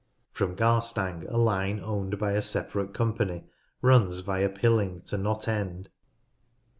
From Garstang a line owned by a separate company runs via Pilling to Knott End.